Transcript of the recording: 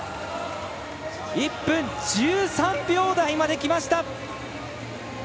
１分１３秒台まできました！